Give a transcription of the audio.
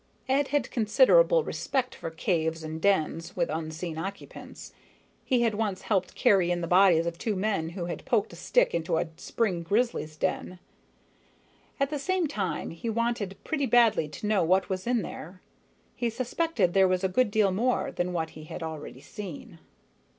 Ed had considerable respect for caves and dens with unseen occupants he had once helped carry in the bodies of two men who had poked a stick into a spring grizzly's den. At the same time, he wanted pretty badly to know what was in there. He suspected there was a good deal more than what he had already seen.